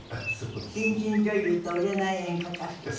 新人女優と売れない演歌歌手。